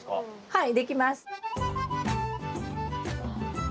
はい。